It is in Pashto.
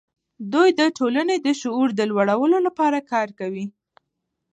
دوی د ټولنې د شعور د لوړولو لپاره کار کوي.